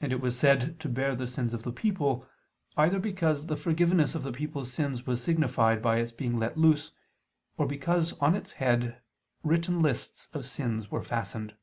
And it was said to bear the sins of the people, either because the forgiveness of the people's sins was signified by its being let loose, or because on its head written lists of sins were fastened.